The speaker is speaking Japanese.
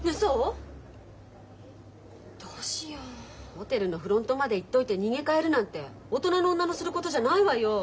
ホテルのフロントまで行っといて逃げ帰るなんて大人の女のすることじゃないわよ。